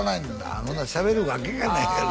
「あのな喋るわけがないやろ」